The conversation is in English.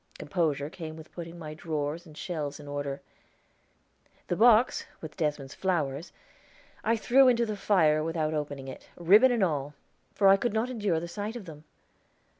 Composure came with putting my drawers and shelves in order. The box with Desmond's flowers I threw into the fire, without opening it, ribbon and all, for I could not endure the sight of them.